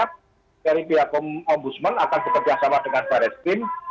nanti apakah kami sih berharap dari pihak ombudsman akan bekerjasama dengan pak restrim